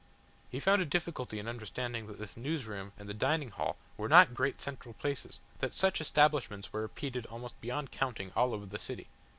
He found a difficulty in understanding that this news room and the dining hall were not great central places, that such establishments were repeated almost beyond counting all over the city.